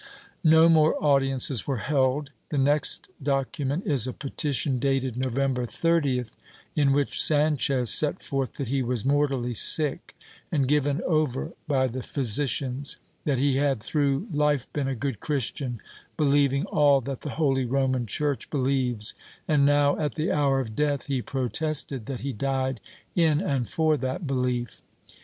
^ No more audiences were held. The next document is a petition, dated November 30th, in which Sanchez set forth that he was mortally sick and given over by the physicians ; that he had through life been a good Christian, believing all that the Holy Roman Church believes, and now, at the hour of death, he protested that he died in and for that behef